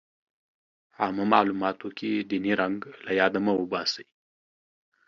عامه معلوماتو کې ديني رنګ له ياده مه وباسئ.